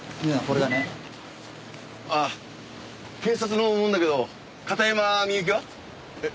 あっ警察の者だけど片山みゆきは？え？